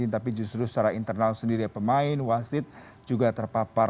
tapi justru secara internal sendiri ya pemain wasit juga terpapar